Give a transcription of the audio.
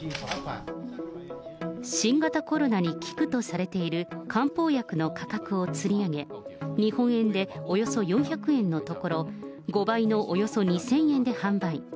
新型コロナに効くとされている漢方薬の価格をつり上げ、日本円でおよそ４００円のところ、５倍のおよそ２０００円で販売。